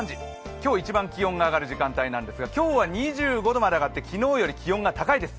今日一番気温が上がる時間帯なんですが、今日は２５度まで上がって昨日より気温が高いです。